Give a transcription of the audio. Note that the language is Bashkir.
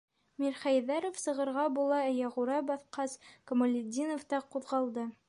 Мирхәйҙәров сығырға була аяғүрә баҫҡас, Камалетдинов та ҡуҙғалды: